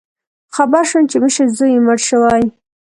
خبر شوم چې مشر زوی یې مړ شوی